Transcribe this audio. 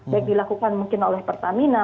baik dilakukan mungkin oleh pertamina